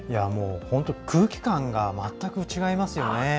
本当、空気感が全く違いますよね。